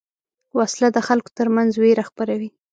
وسله د خلکو تر منځ وېره خپروي